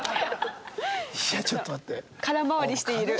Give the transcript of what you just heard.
いやちょっと待って。